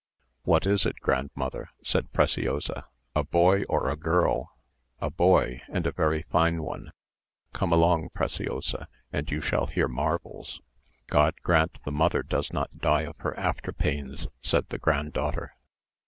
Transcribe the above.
"What is it, grandmother?" said Preciosa, "A boy or a girl?" "A boy, and a very fine one. Come along, Preciosa, and you shall hear marvels." "God grant the mother does not die of her after pains," said the granddaughter.